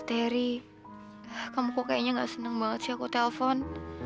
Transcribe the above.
teri kamu kok kayaknya gak seneng banget sih aku telfon